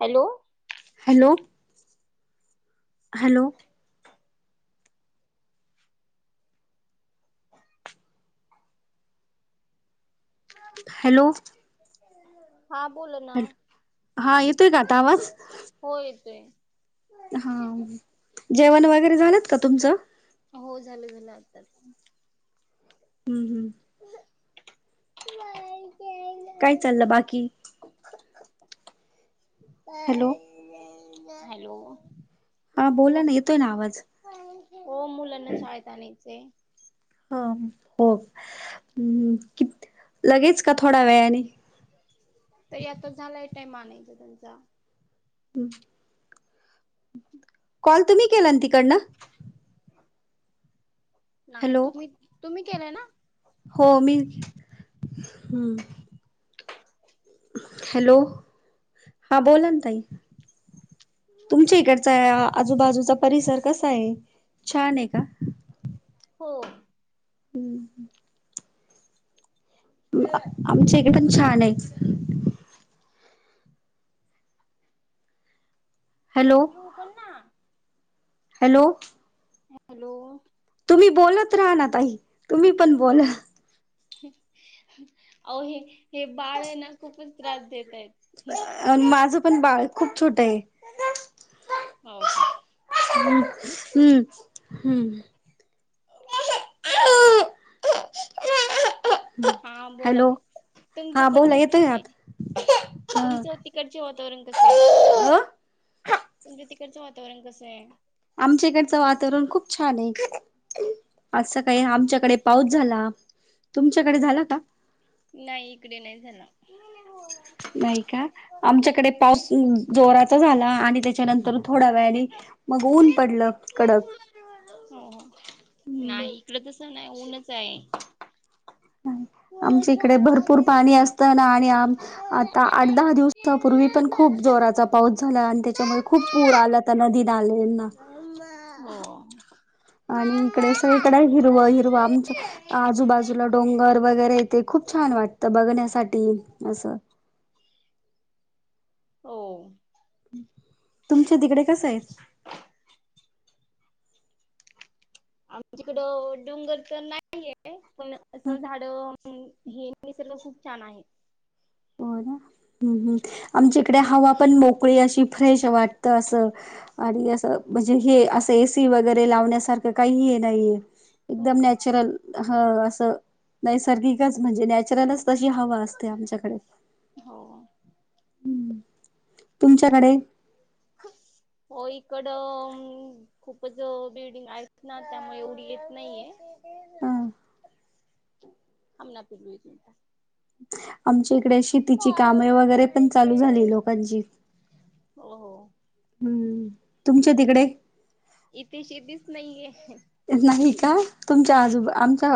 Hello. Hello. Hello ह hello हा बोल ना हॅलो हा येतोय का आता आवाज हो येतोय हा. जेवण वगैरे झालंत का तुमचं? हो झालं झालं आत्ताच. हम् हम्म. माकला काय चाललं बाकी? Hello hello. हा बोला ना येतोय ना आवाज. हो मुलांना शाळेत आणायचं. ह हो् क लगेच का थोडा वेळाने तर आता झालाय टामानायच त्यांचा हम्म. कॉल तुम्ही केला तिकडनं नाही हॅलो तुम्ही तुम्ही केलंय ना. हो मी हम्म. हॅलो हा बोला ना ताई तुमच्या इकडचा आजूबाजूचा परिसर कसा आहे छान आहे का? हो. हम्म. आमच्या इकडे पण छान आहे. हॅलो हेप्रू हॅलो. हॅलो. तुम्ही बोलत राहा ना ताई तुम्ही पण बोला. अ हे हे बाळ आहे ना खूपच त्रास देत आहेत. अ माझं पण बाळ खूप छोट आहे. हो का? हम् हम्म हम्म. हा बोला हॅलो बोला तुमचा हा बोला परिसर येतोय कसा आत आहेईल तुमचं? ह तिकडचे वातावरण कसे आहे तुच्या तिकडचं वातावरण कसं आहे. आमच्या इकडचं वातावरण खूप छान आहे असं काही आमच्याकडे पाऊस झाला तुमच्याकडे झाला का? नाही इकडे नाही झाला. नाही का आमच्याकडे पाऊस जोराचा झाला आणि त्याच्यानंतर थोड्या वेने मग ऊन पडलं. कडक हो हो हम्म नाही इकड तस नाही ऊनच आहे. हो. आमच्या इकडे भरपूर पाणी असत ना आणि आ आता आठ दहा दिवस त्यापूर्वी पण खूप जोराचा पाऊस झाला आणि त्याच्यामुळे खूप पूर आलाता नदीन आलेना. [unintelligible] आणि इकडे सगळीकडे हिरव हिरवा आमचं. आजूबाजूला डोंगर वगैरे येते खूप छान वाटत बघण्यासाठी असं हो तुमच्या तिकडे कस आहेत आमच्या तीकड डोंगर तर नाहीये पण असं झाड हाहे निसर्ग खूप छान आहे हो ना ह् हम् आमच्या इकडे हवा पण मोकळी अशी फ्रेश वाटत असं आणि असं म्हणजे हे असं एसी वगैरे लावण्यासारखं काही हे नाहीये हो एकदम हो नॅचरल ह असं नैसर्गिकच म्हणजे नॅचरलच तशी हवा असते आमच्याकडे हो. तुमच्याकडे होय इकडम खूपच बिल्डिंग आहेत ना त्यामुळे एवढी येत नाहीय हा हम ना फ दुच मिनट [unintelligible] आमच्या इकडे शेतीची हो कामे वगैरे पण चालू झाली लोकांची हो हो हम्म तुमच्या तिकडे इथे शेतीच नाहीये नाही का तुमच्या आजूबा आमच्या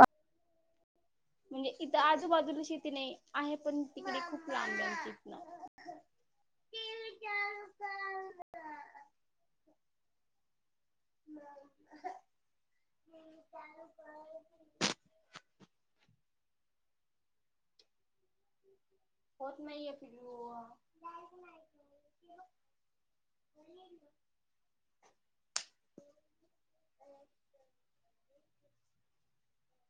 म्हणजे इथं आजूबाजूला शेती नाही आहे पण तिकडे खूप लांब आणि तीतन ह त ल क मामा टीवी चालु कर की होत नाहीये पिल्लू लाइट नहीया ह [unintelligible]